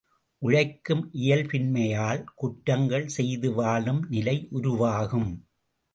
உழைக்கும் இயல்பின்மையால் குற்றங்கள் செய்து வாழும் நிலை உருவாகும்.